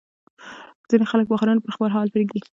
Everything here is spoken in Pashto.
ځینې خلک بخارونه پر خپل حال پرېږدي.